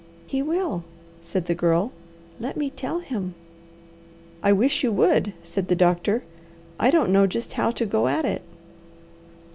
"He will," said the Girl. "Let me tell him!" "I wish you would," said the doctor. "I don't know just how to go at it."